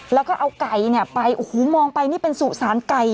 แล้วก็เอาไก่ไปโอ้โฮมองไปนี่เป็นสู่สารไก่